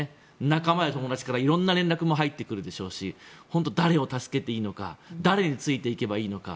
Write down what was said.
仲間や友達からいろいろな連絡も入ってくるでしょうし本当に誰を助けていいのか誰についていけばいいのか。